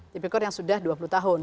tipikor yang sudah dua puluh tahun